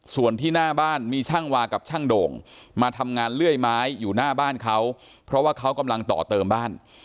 ส่วนที่หน้าบ้านมีช่างวากับช่างโด่งมาทำงานเลื่อยไม้อยู่หน้าบ้านเขาเพราะว่าเขากำลังต่อเติมบ้าน